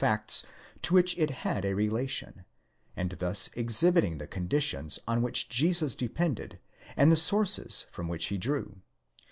203 facts to which it had a relation, and thus exhibiting the conditions on which Jesus depended, and the sources from which he drew.